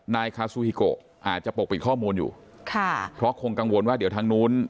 นายคาซูฮิโกอาจจะปกปิดข้อมูลอยู่ค่ะเพราะคงกังวลว่าเดี๋ยวทางนู้น